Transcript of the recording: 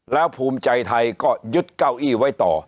แล้วภูมิใจไทยก็ยึดเก้าอี้ไว้ต่อ